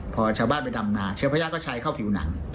พอชาวบ้านไปดำนาเชื้อพระยาก็ใช้เข้าผิวหนัง